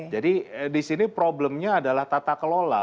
jadi di sini problemnya adalah tata kelola